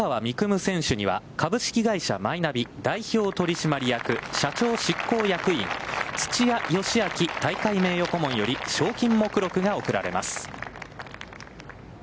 夢選手には株式会社マイナビ代表取締役社長執行役員、土屋芳明大会名誉顧問より賞金目録が贈られます。